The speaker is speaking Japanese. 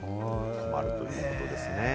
困るということですね。